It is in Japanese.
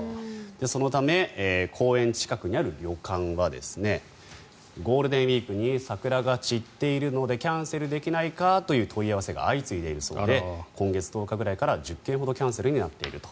そのため公園近くにある旅館はゴールデンウィークに桜が散っているのでキャンセルできないかという問い合わせが相次いでいるそうで今月１０日ぐらいから１０件ほどキャンセルになっていると。